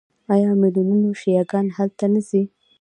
آیا میلیونونه شیعه ګان هلته نه ځي؟